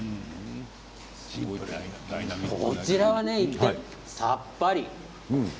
こちらは一転さっぱり。